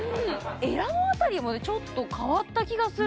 エラ辺りもちょっと変わった気がする。